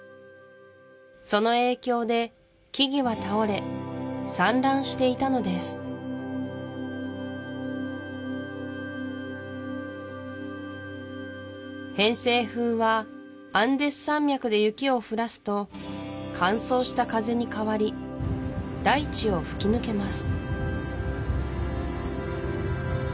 その影響で木々は倒れ散乱していたのです偏西風はアンデス山脈で雪を降らすと乾燥した風に変わり大地を吹き抜けます